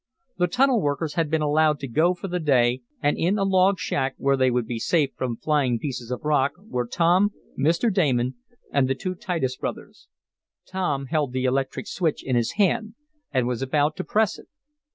The tunnel workers had been allowed to go for the day, and in a log shack, where they would be safe from flying pieces of rock, were Tom, Mr. Damon and the two Titus brothers. Tom held the electric switch in his hand, and was about to press it.